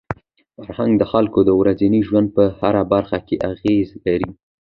فرهنګ د خلکو د ورځني ژوند په هره برخه کي اغېز لري.